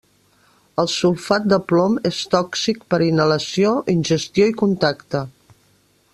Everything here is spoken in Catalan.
El sulfat de plom és tòxic per inhalació, ingestió i contacte.